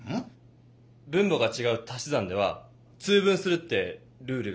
分母がちがうたし算では通分するってルールがあるんです。